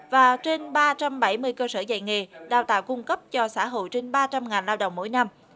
và trên ba trăm bảy mươi cơ sở dạy nghề đào tạo cung cấp cho xã hội trên ba trăm linh lao động mỗi năm